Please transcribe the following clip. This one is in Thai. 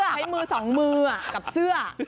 ใช้มือสองมือกับเสื้อ